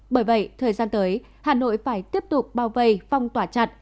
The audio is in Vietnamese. bởi vậy thời gian tới hà nội phải tiếp tục bao vây phong tỏa chặt